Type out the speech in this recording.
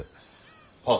はっ。